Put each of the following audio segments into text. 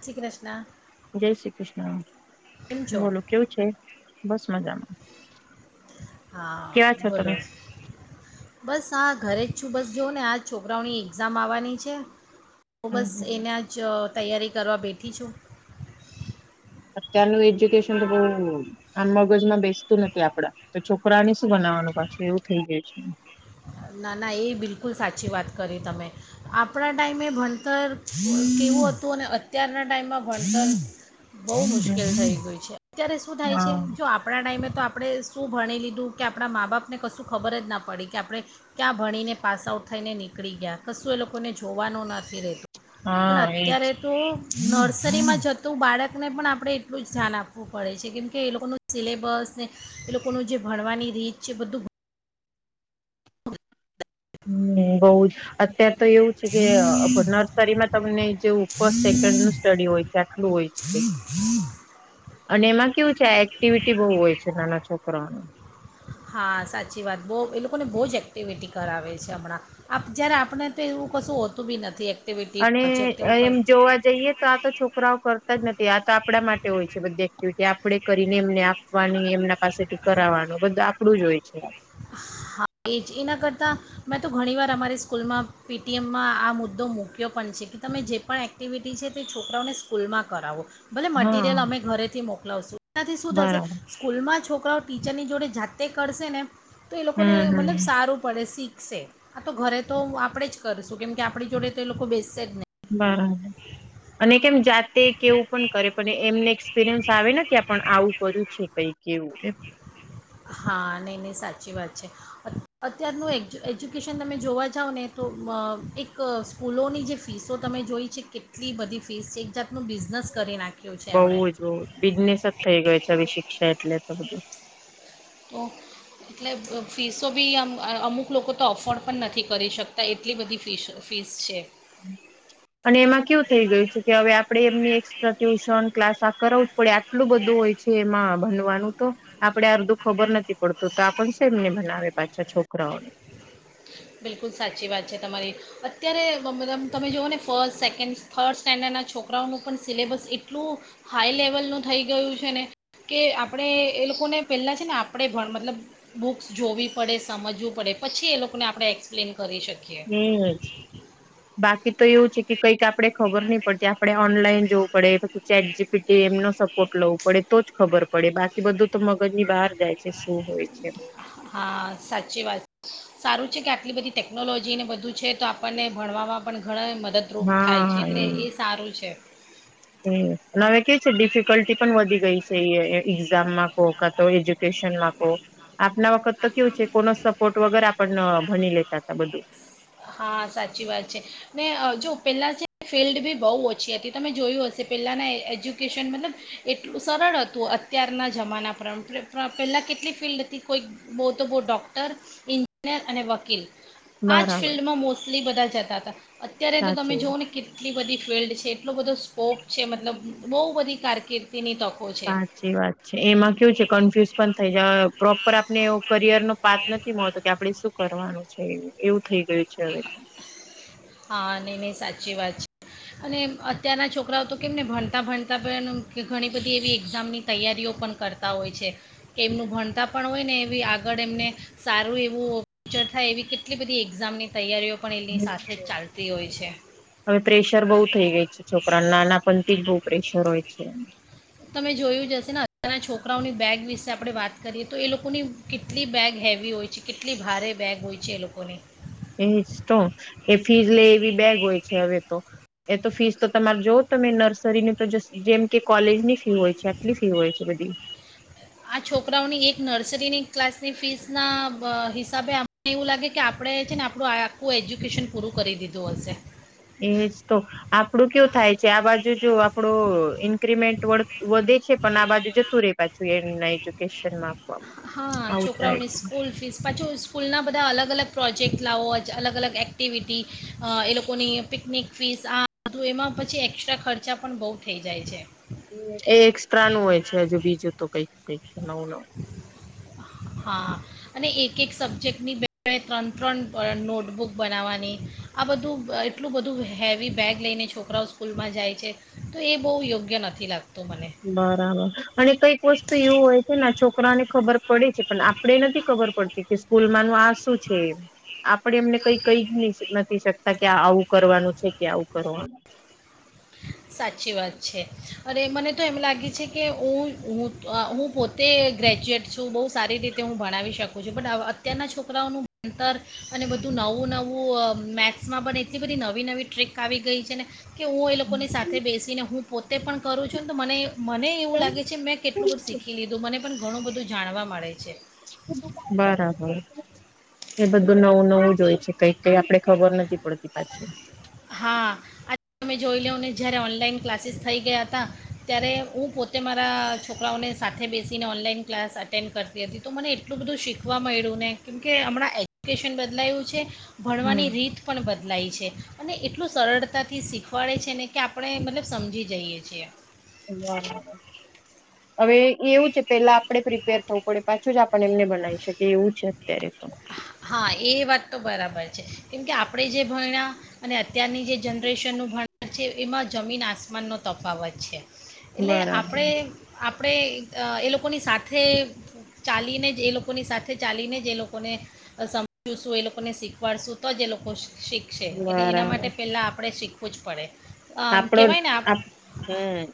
શ્રી કૃષ્ણ. જય શ્રી કૃષ્ણ. કેમ છો બોલો કેવું છે બસ મજામાં હા ક્યા છો તમે. બોલો બસ આા ઘરે જ છું બસ જોઓ ને આ છોકરાઓની એક્ઝામ આવવાની છે. તો હમ બસ હમ એના જ. તૈયારી કરવા બેઠી છું. અત્યારનું એજ્યુકેશન તો બઉ આમ મગજમાં બેસતું નથી આપડા તો છોકરાને શું બનાવવાનું પાછ એવું થઈ ગયું છે. ના ના એ બિલકુલ સાચી વાત કરી તમે આપણા ટાઈમે ભણતર કેવું હતું અને અત્યારના ટાઈમમાં ભણતર બઉ હમ મુશ્કેલ થઈ ગય છે અત્યારે શું થાય છે હા જો આપણા ટાઈમે તો આપણે શું ભણી લીધું કે આપણા મા બાપને કશું ખબર જ ના પડે કે આપણે ક્યાં ભણીને પાસઆઉટ થઈને નીકળી ગયા કશું એ લોકોને જોવાનું નથી રહે પણ હા એજ અત્યારે તો નર્સરીમાં જતું બાળકને પણ આપણે એટલું જ ધ્યાન આપવું પડે છે કેમ કે એ લોકોનું સિલેબસ ને એ લોકોનું જે ભણવાની રીત છે બધું હમ બઉ જ અત્યાર તો એવું છે કે નર્સરીમાં તમને જેવું ફર્સ્ટ સેકન્ડ નું સ્ટડી હોય છે આટલું હોય છે કઈક અને એમાં કેવું છે આ એક્ટિવિટી બહુ હોય છે નાના છોકરાઓને. હા સાચી વાત બહુ એ લોકોને બહુ જ એક્ટિવિટી કરાવે છે હમણાં જ્યારે આપણે તો એવું કશું હોતું બી નથી એક અને એમ જોવા જઈએ તો આ તો છોકરાઓ કરતા જ નથી આ તો આપણા માટે હોય છે બધ તે આપડે કરીને એમને આપવાની એમના પાસેથી કરાવવાનું બધું આપડું જ હોય છે. હા એ જ એના કરતાં મેં તો ઘણીવાર અમારી સ્કૂલમાં પીટીએમમાં આ મુદ્દો મૂક્યો પણ છે કે તમે જે પણ એક્ટિવિટી છે તે છોકરાઓને સ્કૂલમાં કરાવો ભલે મટિરિયલ હા અમે ઘરેથી મોક સુ થી શું થશે બરાબર સ્કૂલ માં છ છોકરાઓ ટીચરની જોડે જાતે કરશે ને તો એ લોકોને હમ મતલબ હમ સારું પડે શીખ આ તો ઘરે તો હું આપણેે જ કરશું કેમ કે આપણી જોડે તો એ લોકો બેસે જ નહીં બાર હજાર અને કેમ જાતે કે એવું પણ કરે પણ એમને એક્સપિરિયન્સ આવે ને કે આવું કર્યું છે કઈક. કેવું એ હા નહીં નહીં સાચી વાત છે અત્યારનું એજ એજ્યુકેશન તમે જોવા જાવ ને તો એક સ્કૂલોની જે ફીસો તમે જોઈ છે કેટલી બધી ફીસ છે એક જાત બઉ જ બિઝનેસ જ થઈ ગયો છે હવે શિક્ષા એટલે તો બધું. તો એટલે ફીસો બી આમ અમુક લોકો તો અફોર્ડ પણ નથી કરી શકતા એટલી બધી ફીસ ફીસ છે. અને એમાં કેવું થઇ ગયું છે કે હવે આપડે એમની એકસ્ટ્રા ટ્યુશન ક્લાસ આ કર એટલું બધું હોય છે એમાં તો આપડે અર્ધું ખબર નથી પડતું તો પણ શ એમને બનાવે પાછા છોકરાઓને. બિલકુલ સાચી વાત છે તમારી અત્યારે મલ તમે જુઓ ને ફર્સ્ટ સેકન્ડ થર્ડ સ્ટેન્ડર્ડના છોકરાઓનું પણ સિલેબસ એટલું હાઈ લેવલનું થઈ ગયું છે ને કે આપણે એ લોકોને પહેલાં છે ને આપણે ભણ મતલબ બુક્સ જોવી પડે સમજવું પડે પછી એ લોક કોને આપણે એક્પ્લેન એજ બાકી તો એવું છે કે કઈ આપણે ખબર નહ પડતી આપણે ઓનલાઈન જોવું પડે ચેટ જીપીટી એમનો સપોર્ટ લવું પડે તો જ ખબર પડે. પડે બાકી બધું તો મગજ ની બહાર જાય છે શું હોય છે હા સાચી વાત સારું કે આટલી બધી ટેકનોલોજીને બધું છે તો આપણને ભણવામાં પણ ઘણા મદદરૂપ થાય છે હા એટલે એમ. એ સારું છે. હમ અને હવે કેવી છે ડિફિકલ્ટી પણ વધી ગઈ છે એ એક્ઝામમાં કો કા તો આપના વખત તો કેવું છે કો સપોર્ટ વગર આપ ભણી લેતા તા બધું. હા સાચી વાત છે ને જો પહેલાં જે ફિલ્ડ બી બહુ ઓછી હતી તમે જોયું હશે પહેલાંના એજ્યુકેશન મતલબ એટલું સરળ હતું અત્યારના જમાના પર પહેલાં કેટલી ફિલ્ડ હતી કોઈક બહુ તો બહુ ડૉક્ટર ઇન્જિનિયર અને વકીલ આ આ ફિલ્ડમાં મોસ્ટલી બધા જતા હતા અત્યારે તો તમે સાચી જોવઓ વાત ને કેટલી બધી. ફિલ્ડ છે એટલો બધો સ્કોપ છે મતલબ બહુ બધી કારકિર્દ. સાચી વાત છે એમાં કેયુ છે કન્ફ્યુઝ પણ થઈ જ પ્રોપ. ઉપ આપને. કરિયર નો પાત નથી મળતો કે આપડે શું કરવાનું. છે એવું. થઈ ગય છે હવે તો. હા ન ન સાચી વાત છે અને અત્યારના છોકરાઓ તો કેમ ને ભણતા ભણતાં પણ ઘણી બધી એવી એક્ઝામની તૈયારીઓ પણ કરતા હોય છે કે એમનું ભણતા પણ હોય ને એવી આગળ એમને સારું એવું ફ્યુચર થાય એવી કેટલી બધી એક્ઝામની તૈયારીઓ. પણણે એલની હમ સાથે જ. ચાલતી હોય છે હવે પ્રેશર બહુ થઈ ગઈ છે છોકરાને નાનાપણથી જ બહુ પ્રેશર હોય છે. તમે જોયું જશે ને અજારના છોકરાઓની બેગ વિશે આપણે વાત કરીએ તો એ લોકોની કેટલી બેગ હેવી હોય છે કેટલી ભારે બેગ હોય છે એ લોકોની. એજ તો એ ફીસ લે એવી બેગ હોય છે હવે તો એ તો ફીસ તો તમારે જોવ તમે નર્સરીની તો જેમ કે કોલેજ ની ફી. ી હોય છે આટલી ફી હોય છે બધી. આ છોકરાઓની એક નર્સરીની ક્લાસની ફીસના હિસાબે અમને એવું લાગે કે આપણે છે ને આપણું આખું એજ્યુકેશન પૂરું કરી દીધું હશે. એજ તો આપડું કેવ થાય છે આ બાજુ જો આપડો ઈન્કિમેન્ટ વધે છે પણ આ બાજુ જતું રે પાછું એ નહી. હા છોકરાઓની સ્કૂલ ફીસ પાછી સ્કૂલ ના બધા અલગ અલગ. પ્રોજેક્ટ લાવો અલગ અલગ એક્ટિવિટી એ લોકોની પિકનિક ફીસ આધું એમાં પછી એસ્ટ્રા ખર્ચા પણ બહુ થઈ જાય છે. એ એકસ્ટ્રાનું હોય છે હજુ બીજું તો કઈક કઈક નવું નવું. હા અને એક એક સબ્જેક્ટની બે-બે, ત્રણ-ત્રણ નોટબુક બનાવવાની આ બધું એટલું બધું હેવી બેગ લઈને છોકરાઓ સ્કૂલમાં જાય છે તો એ બહુ યોગ્ય નથી લાગતું. મને બરાબર અને કઈક વસ્તુ એવું હોય છે ને આ છોક કરાને ખબર પડે છે પણ આપડે નથી ખબર પડતી કે સ્કૂલમાંનું આ શું છે આપડે એમને કઈ કઈ જ નથી શકતા કે આવું કરવાનું છે કે આવું કરવાનું. સાચી વાત છે અરે મને તો એમ લાગે છે કે ઉ ઉ અ હું પોતે ગ્રેજ્યુએટ છું બહુ સારી રીતે હું ભણાવી શકું છું બટ અત્યારના છોકરાઓનું ભણતર અને બધું નવું-નવું અ મેથ્સમાં પણ એટલી બધી નવી-નવી ટ્રીક આવી ગઈ છે ને કે હું એ લોકોની સાથે બેસીને હું પોતે પણ કરું છું ને તો મને મને એવું લાગે છે મેં કેટલું બધું શીખી લીધું મને પણ ઘણું બધું જાણવા મળે છે. બરાબર એ બધું નવું-નવું જો હોય છે કઈક કઈક આપડે ખબર નથી પડતી પાછી. હા આજે તમે જોઈ લેવને જ્યારે ઓનલાઈન ક્લાસીસ થઈ ગયા હતા ત્યારે હું પોતે મારા છોકરાઓને સાથે બેસીને ઓનલાઈન ક્લાસ અટેન્ડ કરતી હતી તો મને એટલું બધું શીખવા મળ્યું ને કેમકે હમણાં એજ્યુકેશન બદલાયું છે ભણવાની હમ રીત પણ બદલાઈ છે. એટલું સરળતાથી શીખવાડે છે ને કે આપણે મતલબ સમજી જઈએ છીએ. બરાબર. હવે એવું છે પેલા આપડે પ્રિપેર થવું પડે પાછું જ આ પણ એમને ભનાઈ શકીએ એવું છે અત્યારે તો. હા એ વાત તો બરાબર છે કેમકે આપણે જે ભયણા અને અત્યારની જે જનરેશનનું ભણતર છે એમાં જમીન આસમાનનો તફાવત છે. એટલે બરાબર આપણે આપ આપણે એ લોકોની સાથે ચાલીને જ એ લોકોની સાથે ચાલીને જ એ લોકોને સમજું શું એ લોકોને શીખવાડશું તો જ એ લોકો શીખશે એટલે એના બરાબર માટે પહેલાં આપણે શીખવું પૂછ પડે. આમ આપણો કહેવાય ને આપ હમ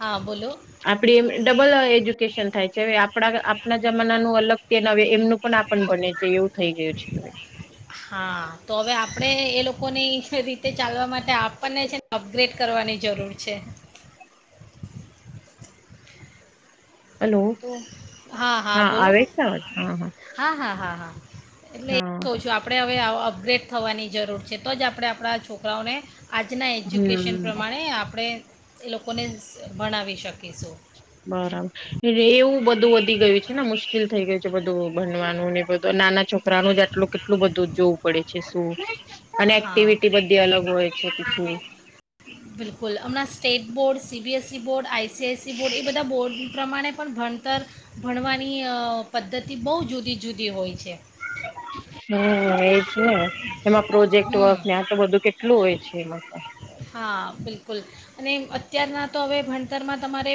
હા બોલો આપણી એમ ડબલ એજ્યુકેશન થાય છે હવે આ આપડા આપણા જમાનાનું અલગ પી હવે એમનું પણ આપણ ભને છે એવું થઈ ગયું છે હવે. ણે એ લોકોની રીતે ચાલવા માટે આપણને છે ને અપગ્રેડ કરવાની જરૂર છે. હલો તો હા હા બોલો આવે ને છે અવાજ હા હા હા હા હા. એટલે એ જ હા કવ છું આપડે હવે અપગ્રેડ થવાની જરૂર છે તો જ આપણે આપણા છોકરાઓને આજના એજ્યુકેશન હમ પ્રમાણે આપણે એ લોકોને સ ભણાવી શકીશું. બરાબર એ એવું ધું વધી ગયું છે ને મુશ્કેલ કેલ થઈ ગયું છે બધું ભનવાનુંને બધું નાના છોક રાઓ જ આટલું કેટલું બધું જોવું પડે. એ શું? અને હા એક્ટિવિટી બધી અલગ હોય છે. [unintelligible] બિલકુલ હમણાં state board C B S E board આઈ. [unintelligible] બોર્ડ એ બધા બોર્ડ પ્રમાણે પણ ભણતર ભણવાની પદ્ધતિ બહુ જુદી જુદી હોય છે. હમ એજ ને. એમાં પ્રોજેક્ટ વર્ક હમ ને આ તો બધું કેટલું હોય છે, એમાં પણ કુલ અને અત્યારના તો હવે ભણતરમાં તમારે